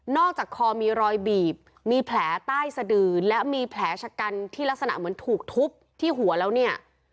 อกจากคอมีรอยบีบมีแผลใต้สะดือและมีแผลชะกันที่ลักษณะเหมือนถูกทุบที่หัวแล้วเนี่ย